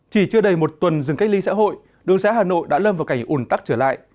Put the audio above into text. chỉ chưa đầy một tuần dừng cách ly xã hội đường xã hà nội đã lâm vào cảnh ủn tắc trở lại